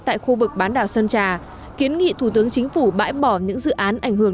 tại khu vực bán đảo sơn trà kiến nghị thủ tướng chính phủ bãi bỏ những dự án ảnh hưởng